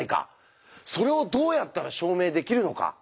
それをどうやったら証明できるのか。